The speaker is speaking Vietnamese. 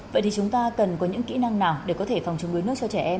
vậy thì chúng ta cần có những kỹ năng nào để có thể phòng chống đuối nước cho trẻ em